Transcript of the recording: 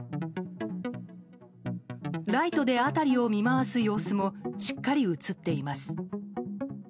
ライトで辺りを見回す様子もしっかり映っています。